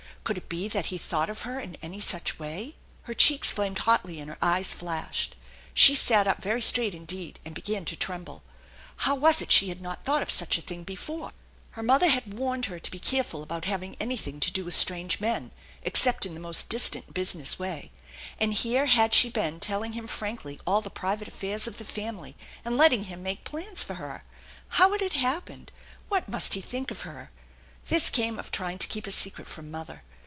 Could it be that he thought of her in any such way? Her cheeks flamed hotly and her eyes flashed. She sat up very straight indeed, and began to tremble. How was it she had not thought of such a thing before? Her mother had 58 THE ENCHANTED BARN 59 warned her to be careful about having anything to do with strange men, except in the most distant business way; and here had she been telling him frankly all the private affaire of the family and letting him make plans for her. How had it happened ? What must he think of her? This came of trying to keep a secret from mother.